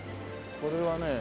これはね